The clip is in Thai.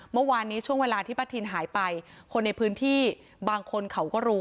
เมื่อวานนี้ช่วงเวลาที่ป้าทินหายไปคนในพื้นที่บางคนเขาก็รู้